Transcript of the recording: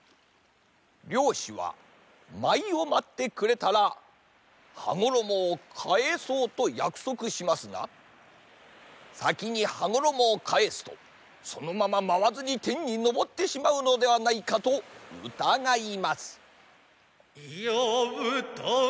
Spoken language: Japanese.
りょうしはまいをまってくれたらはごろもをかえそうとやくそくしますがさきにはごろもをかえすとそのまままわずにてんにのぼってしまうのではないかとうたがいます。